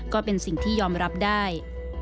ก็เป็นสิ่งที่ยอมรับได้